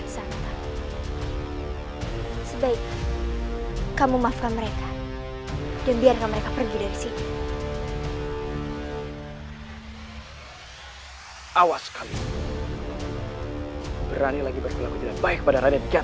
sampai jumpa di video selanjutnya